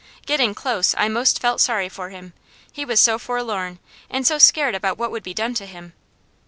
Getting close I most felt sorry for him, he was so forlorn, and so scared about what would be done to him.